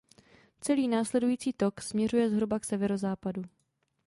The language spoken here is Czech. Celý následující tok směřuje zhruba k severozápadu.